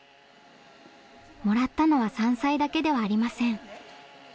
もらったのは山菜だけではありません。